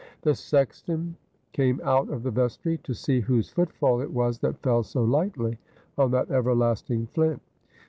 The sexton came out of the vestry to see whose footfall it was that fell so lightly on that everlasting flint.